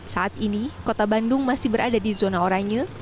saat ini kota bandung masih berada di zona oranye